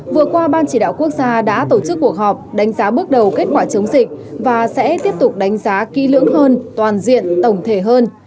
vừa qua ban chỉ đạo quốc gia đã tổ chức cuộc họp đánh giá bước đầu kết quả chống dịch và sẽ tiếp tục đánh giá kỹ lưỡng hơn toàn diện tổng thể hơn